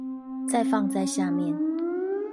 再放在下面